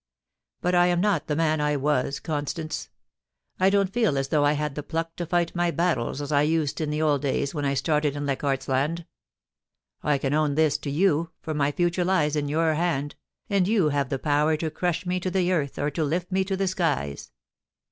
But I am not the man I was, Constance. I don't feel as though I had the pluck to fight my battles as I used in the old days when I started in Leichardt's Land. I can own this to you, for my future lies in your hand, and you have the power to crush me to the earth or to lift me to the skies.